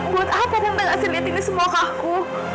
buat apa tante gak selidik ini semua ke aku